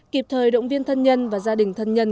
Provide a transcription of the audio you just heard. kịp thời động viên thân nhân và gia đình thân nhân